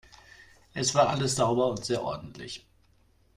Es war alles sauber und sehr ordentlich!